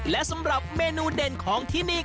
และสำหรับเมนูเด่นของที่นี่